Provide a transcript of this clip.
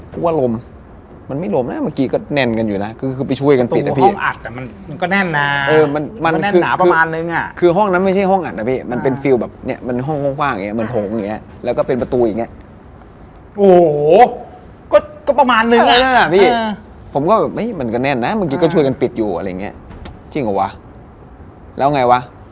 กลิ่นมันหาที่มาที่ไปไม่ได้